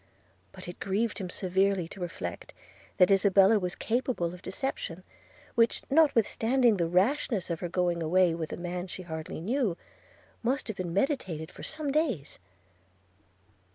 But it grieved him severely to reflect that Isabella was capable of deception, which, notwithstanding the rashness of her going away with a man she hardly knew, must have been meditated for some days.'